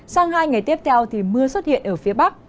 sang hai ngày tiếp theo thì mưa xuất hiện ở phía bắc